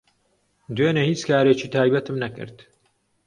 دوێنێ هیچ کارێکی تایبەتم نەکرد.